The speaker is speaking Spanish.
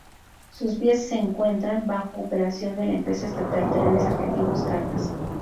Sus vías se encuentran bajo operación de la empresa estatal Trenes Argentinos Cargas.